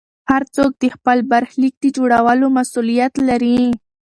هر څوک د خپل برخلیک د جوړولو مسوولیت لري.